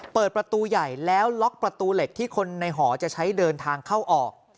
เปิดประตูใหญ่แล้วล็อกประตูเหล็กที่คนในหอจะใช้เดินทางเข้าออก